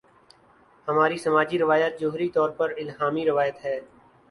ہماری سماجی روایت جوہری طور پر الہامی روایت ہے۔